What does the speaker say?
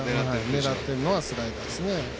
狙ってるのはスライダーですね。